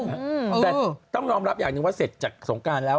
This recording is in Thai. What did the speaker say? แต่ต้องยอมรับอย่างหนึ่งว่าเสร็จจากสงการแล้ว